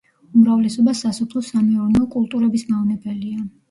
უმრავლესობა სასოფლო-სამეურნეო კულტურების მავნებელია.